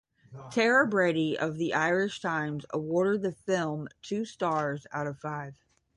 Tara Brady of "The Irish Times" awarded the film two stars out of five.